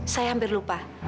saya hampir lupa